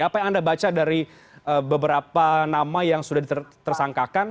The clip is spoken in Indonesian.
apa yang anda baca dari beberapa nama yang sudah ditersangkakan